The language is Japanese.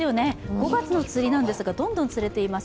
５月の釣りなんですがどんどん釣れています。